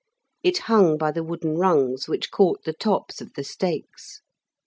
It hung by the wooden rungs which caught the tops of the stakes.